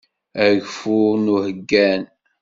Ageffur n uḥeggan.